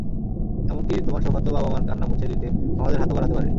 এমনকি তোমার শোকাহত বাবা-মার কান্না মুছে দিতে আমাদের হাতও বাড়াতে পারিনি।